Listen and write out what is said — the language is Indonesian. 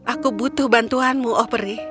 aku butuh bantuanmu oh perih